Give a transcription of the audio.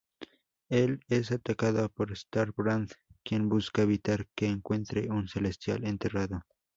Él es atacado por Star Brand, quien busca evitar que encuentre un Celestial enterrado.